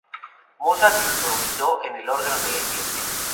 Mozart improvisó en el órgano de la iglesia.